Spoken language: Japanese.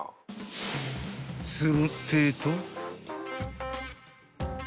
［するってぇと］